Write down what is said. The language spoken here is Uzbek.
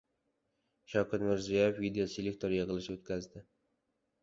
Shavkat Mirziyoyev videoselektor yig‘ilishi o‘tkazadi